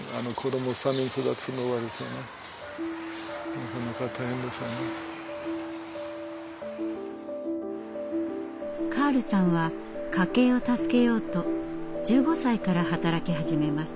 全然今考えるとカールさんは家計を助けようと１５歳から働き始めます。